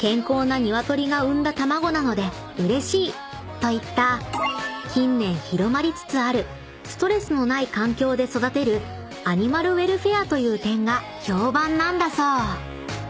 ［といった近年広まりつつあるストレスのない環境で育てるアニマルウェルフェアという点が評判なんだそう］